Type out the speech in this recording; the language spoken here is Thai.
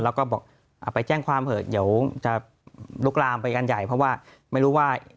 แล้วก็บอกไปแจ้งความเถอะเดี๋ยวจะลุกลามไปกันใหญ่เพราะว่าไม่รู้ว่า